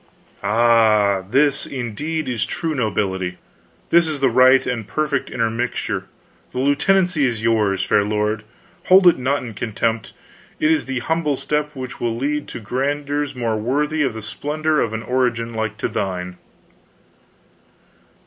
"Ah, this, indeed, is true nobility, this is the right and perfect intermixture. The lieutenancy is yours, fair lord. Hold it not in contempt; it is the humble step which will lead to grandeurs more worthy of the splendor of an origin like to thine."